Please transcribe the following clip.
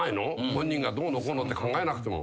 本人がどうのこうのって考えなくても。